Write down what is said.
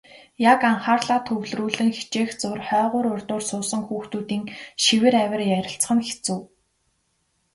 Яг анхаарлаа төвлөрүүлэн хичээх зуур хойгуур урдуур суусан хүүхдийн шивэр авир ярилцах нь хэцүү.